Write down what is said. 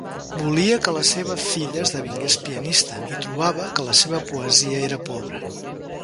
Volia que la seva filla esdevingués pianista i trobava que la seva poesia era pobra.